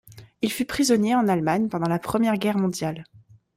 Il fut prisonnier en Allemagne pendant la Première Guerre mondiale.